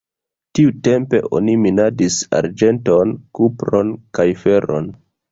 Tiutempe oni minadis arĝenton, kupron kaj feron.